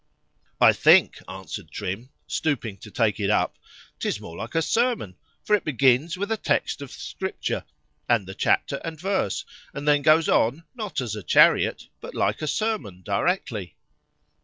—I think, answered Trim, stooping to take it up,——'tis more like a sermon,——for it begins with a text of scripture, and the chapter and verse;—and then goes on, not as a chariot, but like a sermon directly.